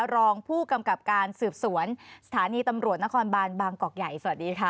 รองผู้กำกับการสืบสวนสถานีตำรวจนครบานบางกอกใหญ่สวัสดีค่ะ